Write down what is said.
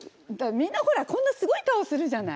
みんなほら、こんなすごい顔するじゃない。